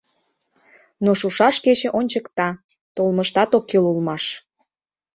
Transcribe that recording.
Но шушаш кече ончыкта: толмыштат ок кӱл улмаш.